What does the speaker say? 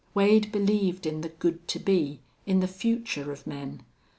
Wade believed in the good to be, in the future of men.